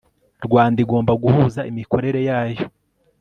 Rwanda igomba guhuza imikorere yayo